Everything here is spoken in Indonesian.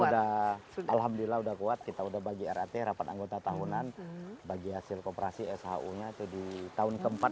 sudah alhamdulillah sudah kuat kita sudah bagi rat harapan anggota tahunan bagi hasil kooperasi shu nya di tahun keempat